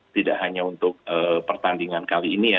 tidak hanya untuk pertandingan kali ini ya